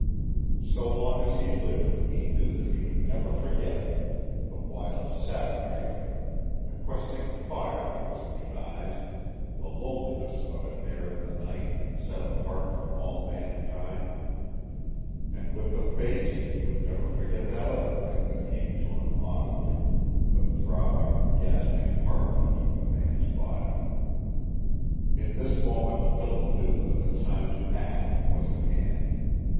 So long as he lived he knew that he would never forget it; the wild savagery of it, the questing fire that was in the eyes, the loneliness of it there in the night, set apart from all mankind; and with the face he would never forget that other thing that came to him audibly the throbbing, gasping heartbeat of the man's body. In this moment Philip knew that the time to act was at hand.